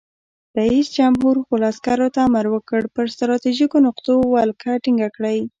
رئیس جمهور خپلو عسکرو ته امر وکړ؛ پر ستراتیژیکو نقطو ولکه ټینګه کړئ!